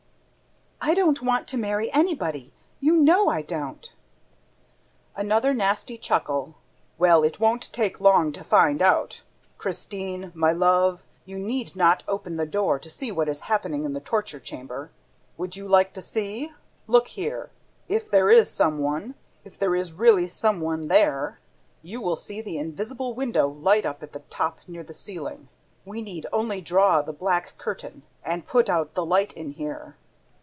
"I don't want to marry anybody, you know I don't." Another nasty chuckle. "Well, it won't take long to find out. Christine, my love, we need not open the door to see what is happening in the torture chamber. Would you like to see? Would you like to see? Look here! If there is some one, if there is really some one there, you will see the invisible window light up at the top, near the ceiling. We need only draw the black curtain and put out the light in here.